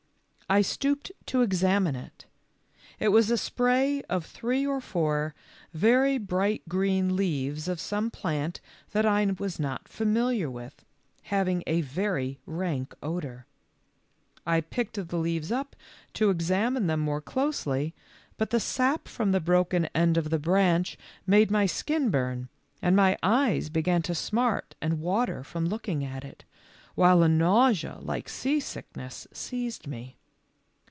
I stooped to examine it. It was a spray of three or four very bright green leaves of some plant that I was not familiar with, having a very rank odor. I picked the leaves up to HOW COCK ROBIN SAVED HIS FAMILY. 51 examine them more closely, but the sap from the broken end of the branch made my skin burn, and my eyes began to smart and water from looking at it, while a nausea like sea sickness seized me.